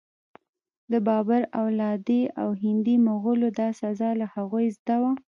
د بابر اولادې او هندي مغولو دا سزا له هغوی زده وه.